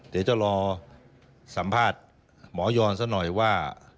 เดี๋ยวจะรอสัมภาษณ์หมอยอนซะหน่อยว่า